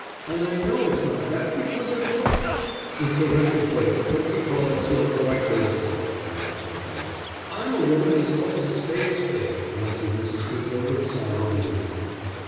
"And I know it's not that because I've looked." "It's electro plate, but we call it silver by courtesy," laughed Bertram. "I'm a woman as calls a spade a spade," answered Mrs. Cooper, with sombre dignity.